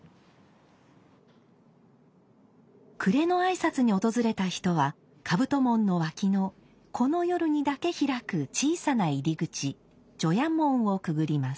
暮れの挨拶に訪れた人は兜門の脇のこの夜にだけ開く小さな入り口除夜門をくぐります。